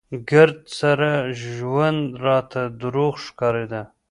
ګرد سره ژوند راته دروغ ښکارېده.